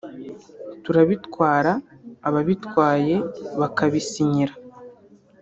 turabitwara ababitwaye bakabisinyira